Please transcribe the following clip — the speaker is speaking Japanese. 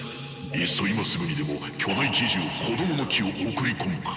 いっそ今すぐにでも巨大奇獣「こどもの樹」を送り込むか。